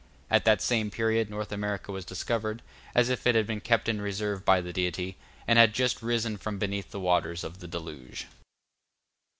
At that same period North America was discovered, as if it had been kept in reserve by the Deity, and had just risen from beneath the waters of the deluge.